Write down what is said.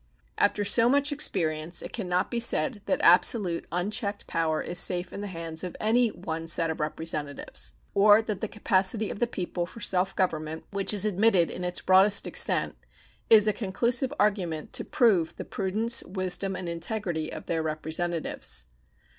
After so much experience it can not be said that absolute unchecked power is safe in the hands of any one set of representatives, or that the capacity of the people for self government, which is admitted in its broadest extent, is a conclusive argument to prove the prudence, wisdom, and integrity of their representatives.